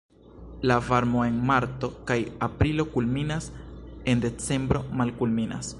La varmo en marto kaj aprilo kulminas, en decembro malkulminas.